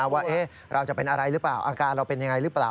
ว่าเราจะเป็นอะไรหรือเปล่าอาการเราเป็นยังไงหรือเปล่า